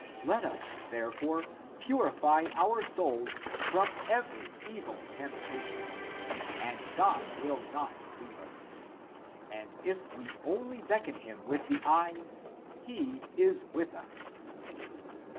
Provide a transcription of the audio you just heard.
Let us therefore purify our souls from every evil temptation, and God will not leave us; and if we only beckon him with the eyes, he is with us."